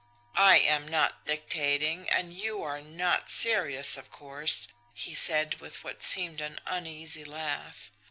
"'I am not dictating, and you are not serious, of course,' he said, with what seemed an uneasy laugh.